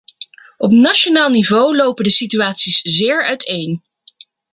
Op nationaal niveau lopen de situaties zeer uiteen.